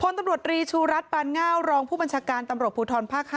ตำรวจรีชูรัฐปานเง่าวรองผู้บัญชาการตำรวจภูทรภาค๕